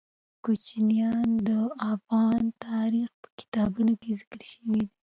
کوچیان د افغان تاریخ په کتابونو کې ذکر شوی دي.